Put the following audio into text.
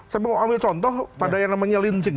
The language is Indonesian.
saya mau ambil contoh pada yang namanya lincing